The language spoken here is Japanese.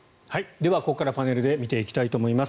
では、ここからパネルで見ていきたいと思います。